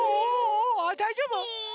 あだいじょうぶ？